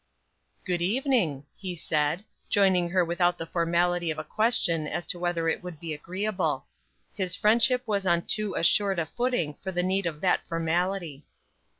"Good evening," he said, joining her without the formality of a question as to whether it would be agreeable; his friendship was on too assured a footing for the need of that formality.